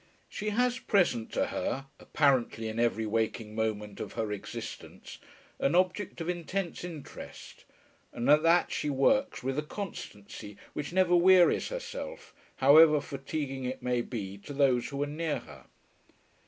She has present to her, apparently in every waking moment of her existence, an object of intense interest, and at that she works with a constancy which never wearies herself, however fatiguing it may be to those who are near her.